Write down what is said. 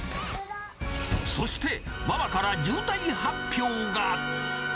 そしてママから重大発表が。